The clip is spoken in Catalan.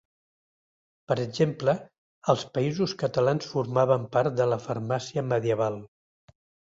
Per exemple, als Països Catalans formaven part de la farmàcia medieval.